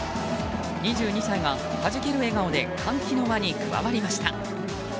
２２歳がはじける笑顔で歓喜の輪に加わりました。